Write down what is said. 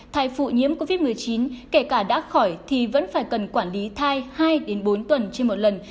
thai phụ nhiễm covid một mươi chín kể cả đã khỏi thì vẫn phải cần quản lý thai hai bốn tuần trên một lần